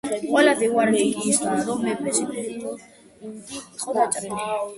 ყველაზე უარესი კი ისაა რომ მეფე სასიკვდილოდ იყო დაჭრილი.